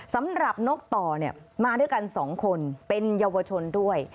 นกต่อมาด้วยกัน๒คนเป็นเยาวชนด้วย